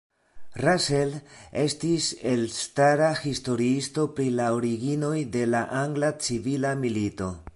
Russell estis elstara historiisto pri la originoj de la Angla Civila Milito.